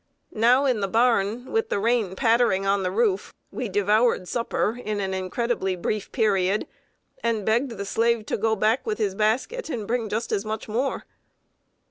Now, in the barn, with the rain pattering on the roof, we devoured supper in an incredibly brief period, and begged the slave to go back with his basket and bring just as much more.